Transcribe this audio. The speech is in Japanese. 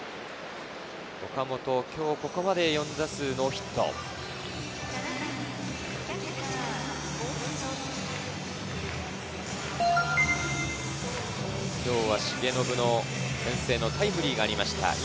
岡本、今日ここまで４打数ノーヒット。今日は重信の先制タイムリーがありました。